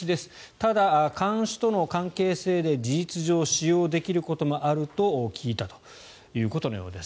ただ、看守との関係性で事実上、使用できることもあると聞いたということです。